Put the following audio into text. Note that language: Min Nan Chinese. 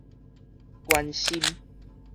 關心